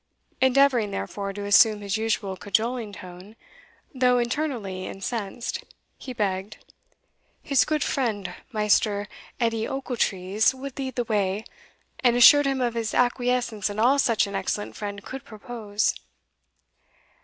Endeavouring, therefore, to assume his usual cajoling tone, though internally incensed, he begged "his goot friend Maister Edie Ochiltrees would lead the way, and assured him of his acquiescence in all such an excellent friend could propose."